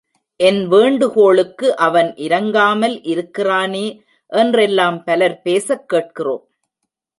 என் வேண்டுகோளுக்கு அவன் இரங்காமல் இருக்கிறானே என்றெல்லாம் பலர் பேசக் கேட்கிறோம்.